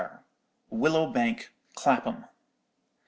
Willow Bank, Clapham.